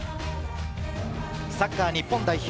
サッカー日本代表